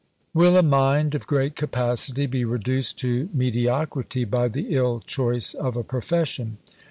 Will a mind of great capacity be reduced to mediocrity by the ill choice of a profession?